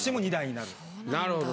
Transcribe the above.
なるほど。